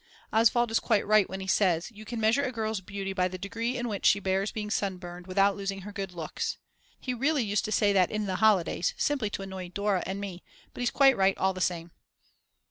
Oswald is quite right when he says: You can measure a girl's beauty by the degree in which she bears being sunburned without losing her good looks. He really used to say that in the holidays simply to annoy Dora and me, but he's quite right all the same.